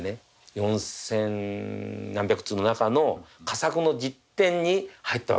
四千何百通の中の佳作の１０点に入ったわけですよ。